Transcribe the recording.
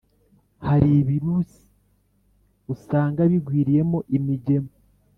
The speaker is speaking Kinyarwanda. hari ibirursi usanga bigwiriyemo imigemo